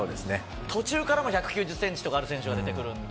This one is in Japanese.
途中から１９０ｃｍある選手が出てくるので。